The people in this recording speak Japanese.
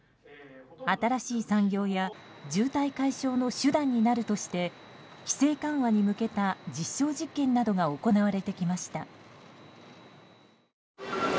新しい産業や渋滞解消の手段になるとして規制緩和に向けた実証実験などが行われてきました。